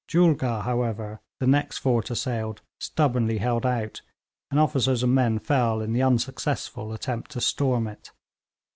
Julgah, however, the next fort assailed, stubbornly held out, and officers and men fell in the unsuccessful attempt to storm it.